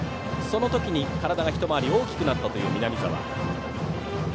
その時に、体が一回り大きくなったという南澤。